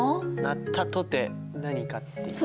鳴ったとて「何か？」っていう。